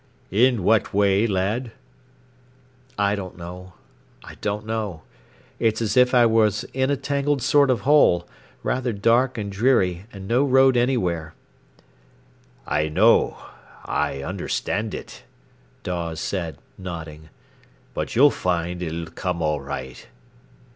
"In what way, lad?" "I don't know. I don't know. It's as if I was in a tangled sort of hole, rather dark and dreary, and no road anywhere." "I know—I understand it," Dawes said, nodding. "But you'll find it'll come all right."